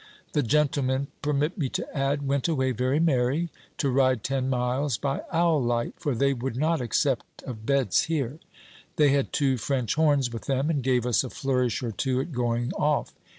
The gentlemen, permit me to add, went away very merry, to ride ten miles by owl light; for they would not accept of beds here. They had two French horns with them, and gave us a flourish or two at going off.